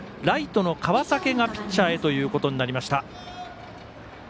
ライトの川竹がピッチャーへということになりました。